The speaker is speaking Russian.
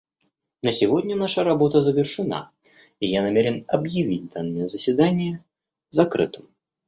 На сегодня наша работа завершена, и я намерен объявить данное заседание закрытым.